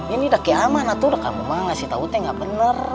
ini udah aman lah kamu mah ngasih tau sih gak bener